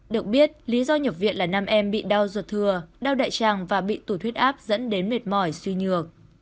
được biết lý do nhập viện là nam em bị đau ruột thừa đau đại tràng và bị tủ thuyết áp dẫn đến mệt mỏi suy nhược